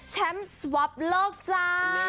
แชมป์สวอปโลกจ้า